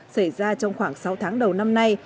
xảy ra trong khoảng sáu tháng đầu năm nay